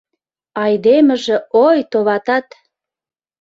Айдемыже, ой, товатат